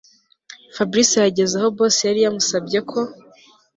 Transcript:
Fabric yageze aho boss yari yamusabye ko